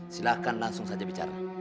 silakan langsung saja bicara